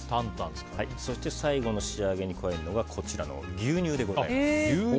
そして最後の仕上げにこちらの牛乳でございます。